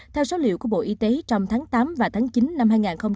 theo số liệu của bộ y tế trong tháng tám và tháng chín năm hai nghìn hai mươi